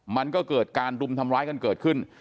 มันก็เกิดการรุมทำร้ายกันเกิดขึ้น